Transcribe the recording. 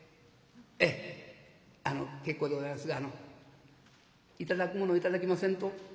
「ええあの結構でございますがあの頂くもの頂きませんと」。